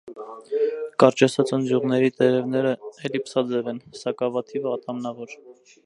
Կարճացած ընձյուղների տերևները էլիպսաձև են, սակավաթիվ ատամնավոր։